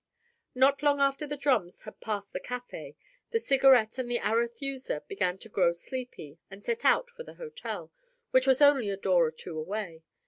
Not long after the drums had passed the café, the Cigarette and the Arethusa began to grow sleepy, and set out for the hotel, which was only a door or two away.